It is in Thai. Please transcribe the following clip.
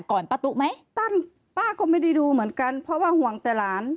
ป้าตุ๊ไหมตั้นป้าก็ไม่ได้ดูเหมือนกันเพราะว่าห่วงแต่หลาน